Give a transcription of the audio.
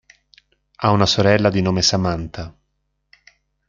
Ha una sorella di nome Samantha.